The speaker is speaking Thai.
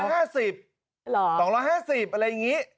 ๒๕๐อะไรอย่างนี้